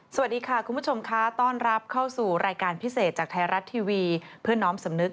สวัสดีค่ะคุณผู้คุก็ชมคะต้อนรับเข้าสู่รายการพิเศษจากท้ายรัชทีวีเพื่อน้องเสมอ